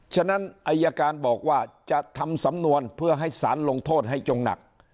ฉะนั้นอายการบอกว่าจะทำสำนวนเพื่อให้สารลงโทษให้จงหนัก